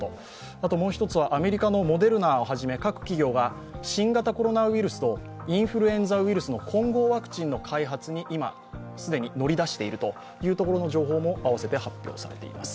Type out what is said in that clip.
あともう一つは、アメリカのモデルナをはじめ各企業が新型コロナウイルスとインフルエンザウイルスの混合ワクチンの開発に既に乗り出してきているという情報も併せて発表されています。